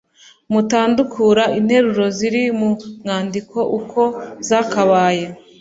mutandukura interuro ziri mu mwandiko uko zakabaye.